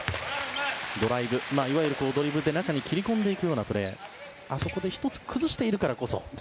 ドライブ、いわゆるドリブルで中に切り込んでいくようなプレーあそこで１つ崩しているからこそ。